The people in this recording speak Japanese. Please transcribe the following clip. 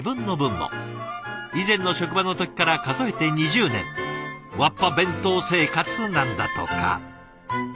以前の職場の時から数えて２０年わっぱ弁当生活なんだとか。